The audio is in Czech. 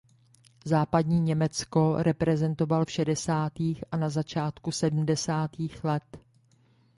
Západní Německo reprezentoval v šedesátých a na začátku sedmdesátých let.